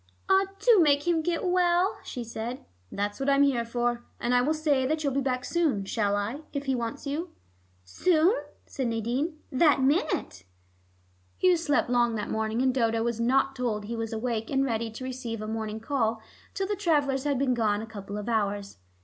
"Ah, do make him get well," she said. "That's what I'm here for. And I will say that you'll be back soon, shall I, if he wants you?" "Soon?" said Nadine. "That minute." Hugh slept long that morning, and Dodo was not told he was awake and ready to receive a morning call till the travelers had been gone a couple of hours.